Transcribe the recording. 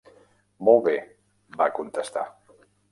Molt bé, va contestar.